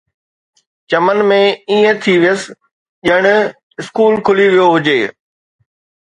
چمن ۾ ائين ٿي ويس، ڄڻ اسڪول کلي ويو هجي